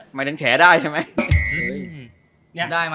หมายถึงแฉได้ใช่ไหม